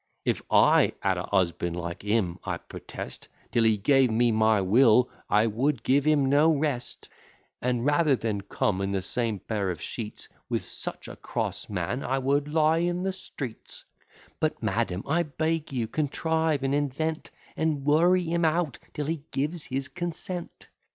If I had a husband like him, I purtest, Till he gave me my will, I would give him no rest; And, rather than come in the same pair of sheets With such a cross man, I would lie in the streets: But, madam, I beg you, contrive and invent, And worry him out, till he gives his consent.